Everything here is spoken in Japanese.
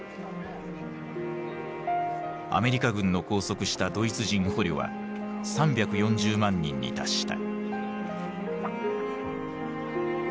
アメリカ軍の拘束したドイツ人捕虜は３４０万人に達した。